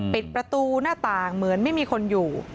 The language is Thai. ปิดประตูหน้าต่างเหมือนไม่มีคนอยู่